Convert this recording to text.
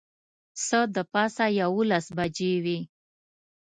څه د پاسه یوولس بجې وې.